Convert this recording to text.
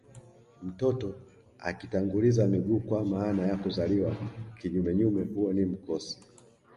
Mtoto akitanguliza miguu kwa maana ya kuzaliwa kinyumenyume huo ni mkosi